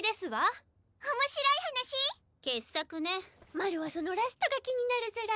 マルはそのラストが気になるずら。